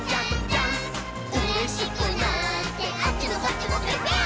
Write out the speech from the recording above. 「うれしくなってあっちもこっちもぴょぴょーん」